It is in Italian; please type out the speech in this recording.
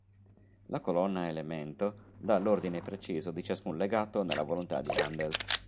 La colonna Elemento dà l'ordine preciso di ciascun legato nella volontà di Handel.